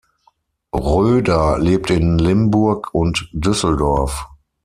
Röder lebt in Limburg und Düsseldorf.